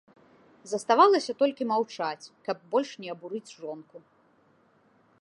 Заставалася толькі маўчаць, каб больш не абурыць жонку.